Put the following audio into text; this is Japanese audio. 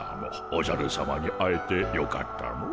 おじゃるさまに会えてよかったモ。